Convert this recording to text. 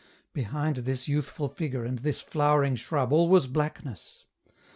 Behind this youthful figure and this flowering shrub all was blackness.